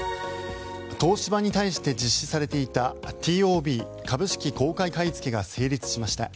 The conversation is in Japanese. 東芝に対して実施されていたＴＯＢ・株式公開買いつけが成立しました。